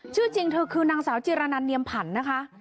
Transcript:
ชื่อจริงเธอคือนางสาวจิรนันเนียมผันนะคะ